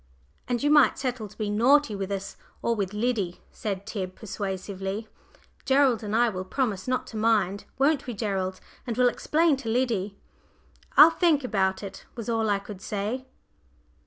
"And you might settle to be naughty with us or with Liddy," said Tib, persuasively. "Gerald and I will promise not to mind, won't we, Gerald? And we'll explain to Liddy." "I'll think about it," was all I could say.